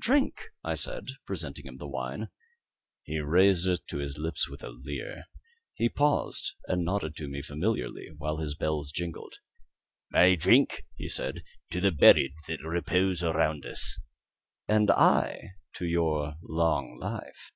"Drink," I said, presenting him the wine. He raised it to his lips with a leer. He paused and nodded to me familiarly, while his bells jingled. "I drink," he said, "to the buried that repose around us." "And I to your long life."